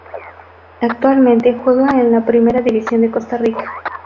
Actualmente juega en la Primera División de Costa Rica.